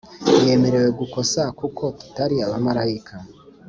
yemerewe gukosa kuko tutari abamalayika,